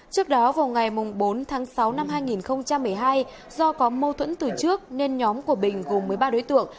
trước đó vào ngày bốn tháng sáu năm hai nghìn một mươi hai do có mâu thuẫn từ trước nên nhóm của bình gồm một mươi ba đối tượng